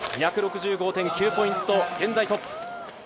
２６５．９ポイント、現在トップ。